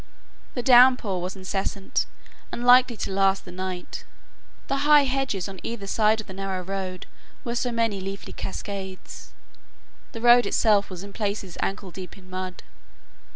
The downpour was incessant and likely to last through the night. The high hedges on either side of the narrow road were so many leafy cascades; the road itself was in places ankle deep in mud.